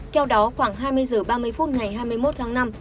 theo đó khoảng hai mươi h ba mươi phút ngày hai mươi một tháng năm